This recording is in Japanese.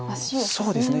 そうですね